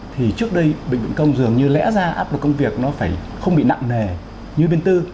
thì trước đây bệnh viện công dường như lẽ ra áp lực công việc nó phải không bị nặng nề như bên tư